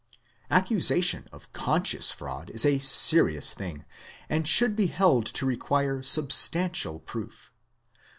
Accusation of conscious fraud is a serious thing, and should be held to require substantial proof.